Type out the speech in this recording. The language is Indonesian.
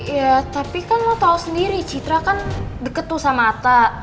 ya tapi kan lo tahu sendiri citra kan deket tuh sama atta